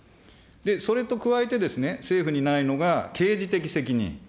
それと加えてですね、政府にないのが刑事的責任。